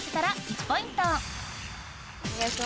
お願いします。